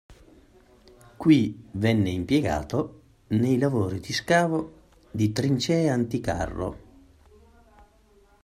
Qui venne impiegato nei lavori di scavo di trincee anticarro.